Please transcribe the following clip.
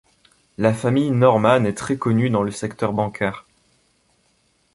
La famille Norman est très connue dans le secteur bancaire.